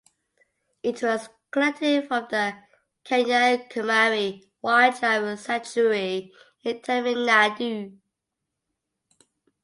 It was collected from the Kanyakumari Wildlife Sanctuary in Tamil Nadu.